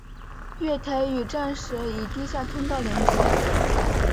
月台与站舍以地下通道连结。